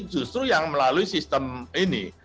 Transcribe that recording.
justru yang melalui sistem ini